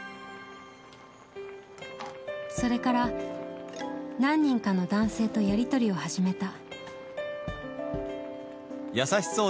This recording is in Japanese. それから、何人かの男性とやり取りを始めた。